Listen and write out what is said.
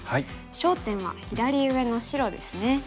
焦点は左上の白ですね。